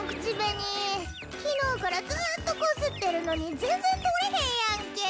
昨日からずーっとこすってるのに全然取れへんやんけ。